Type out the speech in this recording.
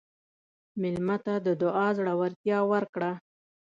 مېلمه ته د دعا زړورتیا ورکړه.